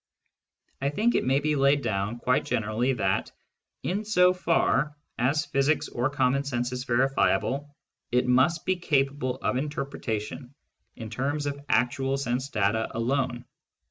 I think it may be laid down quite generally that, in so far as physics or common sense is verifiable, it must be capable of interpretation in terms of actual sense data alone.